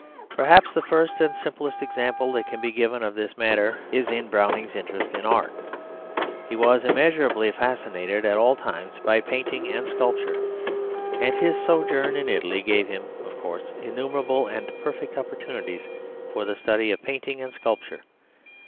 Perhaps the first and simplest example that can be given of this matter is in Browning's interest in art. He was immeasurably fascinated at all times by painting and sculpture, and his sojourn in Italy gave him, of course, innumerable and perfect opportunities for the study of painting and sculpture.